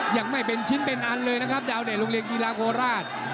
ยังไม่เป็นชิ้นเป็นอันเลยนะครับดาวเดชโรงเรียนกีฬาโคราช